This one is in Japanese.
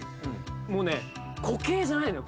もうね固形じゃないのよ